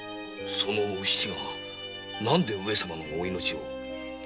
そのお七がなぜ上様のお命を？